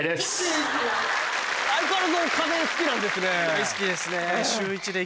大好きですね。